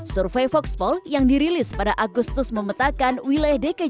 survei voxpol yang dirilis pada agustus memetakan wilayah dki jakarta